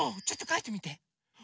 ちょっとかいてみて。